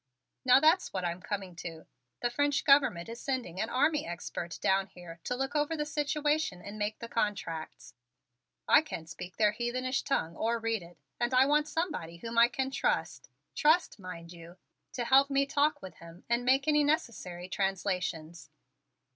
"Now that's what I'm coming to. The French Government is sending an army expert down here to look over the situation and make the contracts. I can't speak their heathenish tongue or read it, and I want somebody whom I can trust trust, mind you to help me talk with him and make any necessary translations.